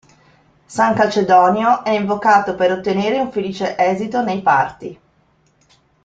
San Calcedonio è invocato per ottenere un felice esito nei parti.